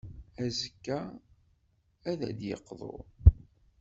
Azekka, ad d-yeqḍu.